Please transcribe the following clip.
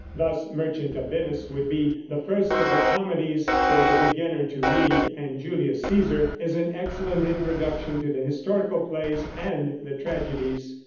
Thus Merchant of Venice would be the first of the comedies for the beginner to read, and Julius Cæsar is an excellent introduction to the historical plays and the tragedies.